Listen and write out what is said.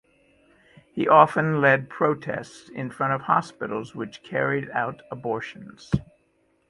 He often led protests in front of hospitals which carried out abortions.